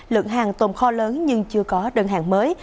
lượng hàng tồn kho lớn nhưng chưa có đơn hàng mới